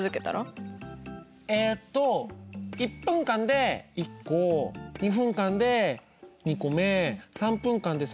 えっと１分間で１個２分間で２個目３分間で３。